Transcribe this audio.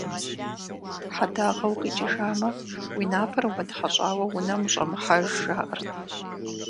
Хьэдагъэ укъикӏыжамэ, уи напэр умытхьэщӏауэ унэм ущӏэмыхьэж жаӏэрт.